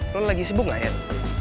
lo lagi sibuk gak yan